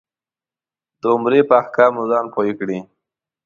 د عمرې په احکامو ځان پوی کړې.